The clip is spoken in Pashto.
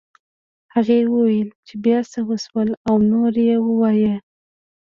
هغې وویل چې بيا څه وشول او نور یې ووایه